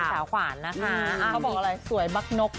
สวยตลกแต่เขาบอกว่าไม่นกนะ